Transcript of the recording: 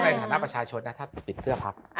ในฐานะประชาชนนะถ้าปิดเสื้อพัก